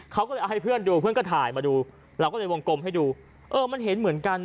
เขาก็เลยเอาให้เพื่อนดูเพื่อนก็ถ่ายมาดูเราก็เลยวงกลมให้ดูเออมันเห็นเหมือนกัน